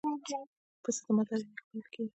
پسه د مالدارۍ نښه بلل کېږي.